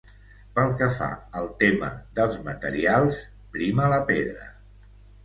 Pel que fa al tema dels materials prima la pedra.